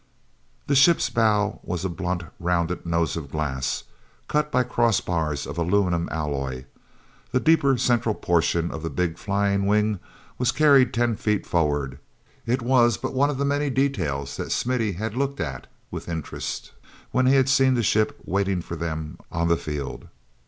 The ship's bow was a blunt, rounded nose of glass, cut by cross bars of aluminum alloy. That deeper central portion of the big flying wing was carried ten feet forward; it was but one of many details that Smithy had looked at with interest when he had seen the ship waiting for them on the field.